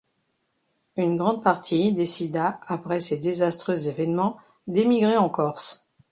Une grande partie décida après ces désastreux événements d'émigrer en Corse.